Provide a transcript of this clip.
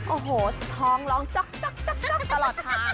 โอ้โฮทองร้องจ๊อกตลอดครับ